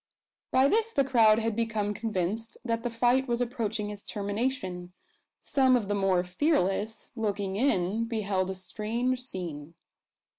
By this the crowd had become convinced that the fight was approaching its termination. Some of the more fearless, looking in, beheld a strange scene.